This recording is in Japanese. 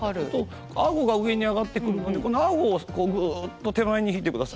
あごが上に上がってくるのでこのあごをグっと手前に引いてください。